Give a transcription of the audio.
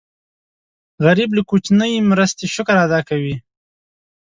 غریب له کوچنۍ مرستې شکر ادا کوي